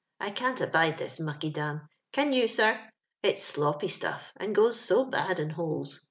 I cant abide this muckydam — can you, sir? it's sloppy stuff, and goes so bad in holes.